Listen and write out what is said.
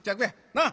なあ？